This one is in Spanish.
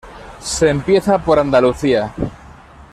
Se empieza por Andalucía.